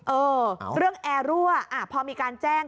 เออเรื่องแอร์รั่วพอมีการแจ้ง